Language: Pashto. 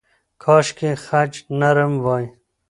کاشکې خج نرم وای.